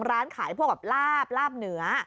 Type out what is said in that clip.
ร้านขายพวกแบบลาบลาบเหนือ